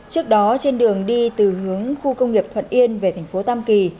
trước đó trên đường đi từ hướng khu công nghiệp thuận yên về thành phố tam kỳ